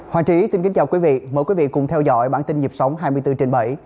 hoàng trí xin kính chào quý vị mời quý vị cùng theo dõi bản tin nhịp sống hai mươi bốn trên bảy